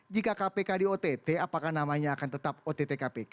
jika kpk di ott apakah namanya akan tetap ott kpk